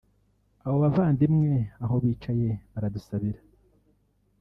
abo bavandimwe aho bicaye baradusabira”